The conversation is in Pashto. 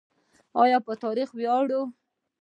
آیا په تاریخ ویاړو؟